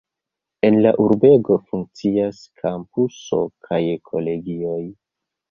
En la urbego funkcias kampuso kaj kolegioj.